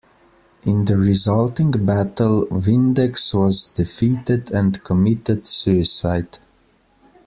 In the resulting battle Vindex was defeated and committed suicide.